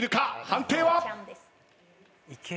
判定は？